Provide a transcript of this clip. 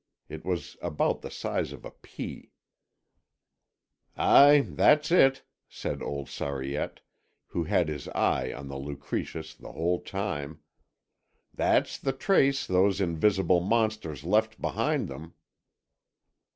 It was about the size of a pea. "Ay, that's it," said old Sariette, who had his eye on the Lucretius the whole time; "that's the trace those invisible monsters left behind them."